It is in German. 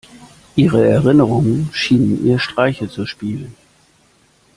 Ihre Erinnerungen schienen ihr Streiche zu spielen.